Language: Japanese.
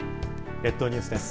列島ニュースです。